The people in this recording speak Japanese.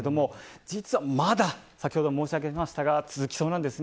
実はまだ先ほど申し上げましたが続きそうなんです。